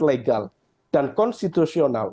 legal dan konstitusional